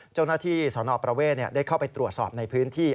เจ้าหน้าที่สนประเวทได้เข้าไปตรวจสอบในพื้นที่